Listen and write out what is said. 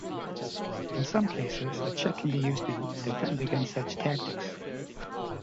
In some cases, a check can be used to defend against such tactics.